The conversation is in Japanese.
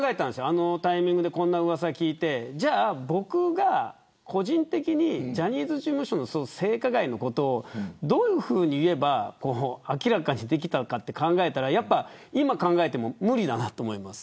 あのタイミングでこんなうわさを聞いて僕が個人的にジャニーズ事務所の性加害のことをどういうふうに言えば明らかにできたかって考えたら今、考えても無理だなと思います。